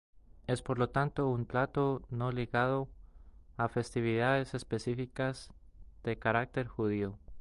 Es por lo tanto un plato no ligado a festividades específicas de caracter judío.